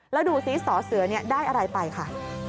แล้วดูซิสอเสือได้อะไรไปค่ะ